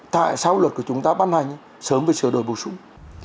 tại sao luật của chúng ta bán hành sớm với sửa đổi bổ sung